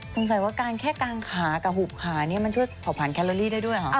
สงสัยว่าการแค่กางขากับหุบขานี่มันช่วยเผาผ่านแคลอรี่ได้ด้วยเหรอ